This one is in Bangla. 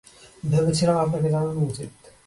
ভেবেছিলাম আপনাকে জানানো উচিৎ।